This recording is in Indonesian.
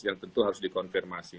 yang tentu harus dikonfirmasi